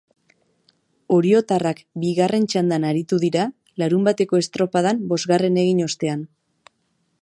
Oriotarrak bigarren txandan aritu dira, larunbateko estropadan bosgarren egin ostean.